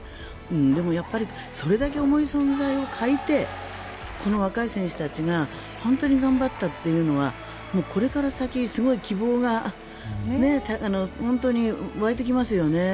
でも、それだけ重い存在を欠いてこの若い選手たちが本当に頑張ったというのはこれから先すごい希望が湧いてきますよね。